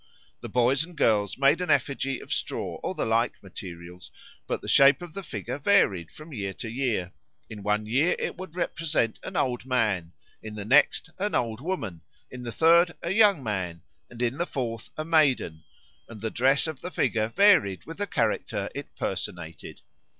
The boys and girls made an effigy of straw or the like materials, but the shape of the figure varied from year to year. In one year it would represent an old man, in the next an old woman, in the third a young man, and in the fourth a maiden, and the dress of the figure varied with the character it personated.